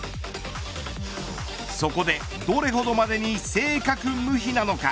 そこでどれほどまでに正確無比なのか。